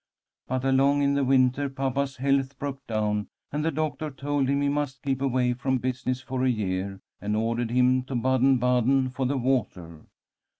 But along in the winter papa's health broke down, and the doctor told him he must keep away from business for a year, and ordered him to Baden Baden for the water.